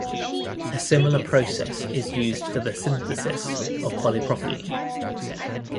A similar process is used for the synthesis of polypropylene.